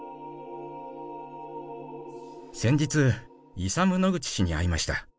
「先日イサム野口氏に会いました。